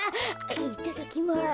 いただきます。